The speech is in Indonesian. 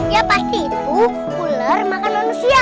ya pasti itu ular makan manusia